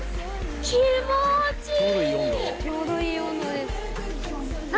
気持ちいい！